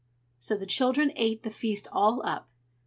So the children ate the feast all up.